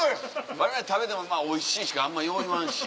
われわれ食べても「おいしい」しかあんまよう言わんし。